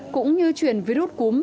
cũng như truyền virus cúm